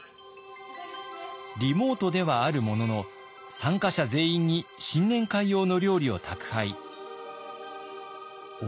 リモートではあるものの参加者全員に新年会用の料理を宅配。